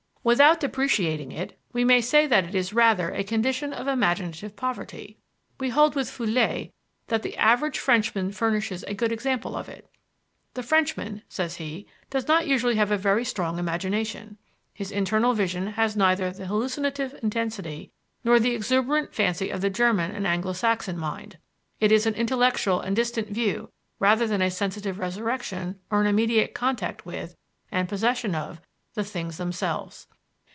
Without depreciating it we may say that it is rather a condition of imaginative poverty. We hold with Fouillée that the average Frenchman furnishes a good example of it. "The Frenchman," says he, "does not usually have a very strong imagination. His internal vision has neither the hallucinative intensity nor the exuberant fancy of the German and Anglo Saxon mind; it is an intellectual and distant view rather than a sensitive resurrection or an immediate contact with, and possession of, the things themselves.